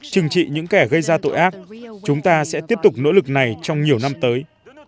trừng trị những kẻ gây ra tội ác chúng ta sẽ tiếp tục nỗ lực này trong nhiều năm tới